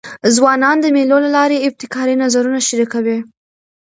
ځوانان د مېلو له لاري ابتکاري نظرونه شریکوي.